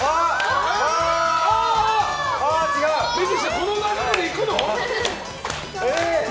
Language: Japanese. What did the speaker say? この流れでいくの？